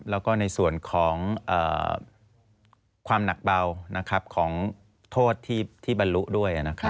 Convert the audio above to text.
แล้วก็ในส่วนของความหนักเบาของโทษที่บรรลุด้วย